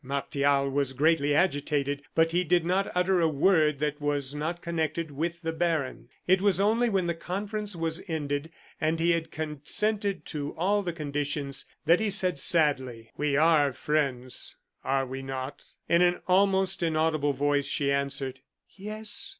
Martial was greatly agitated, but he did not utter a word that was not connected with the baron. It was only when the conference was ended, and he had consented to all the conditions, that he said, sadly: "We are friends, are we not?" In an almost inaudible voice she answered: "Yes."